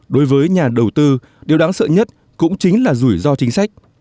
đối với nhà đầu tư điều đáng sợ nhất cũng chính là rủi ro chính sách